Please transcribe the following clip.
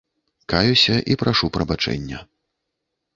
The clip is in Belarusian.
Каюся і прашу прабачэння.